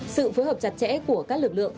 sự phối hợp chặt chẽ của các lực lượng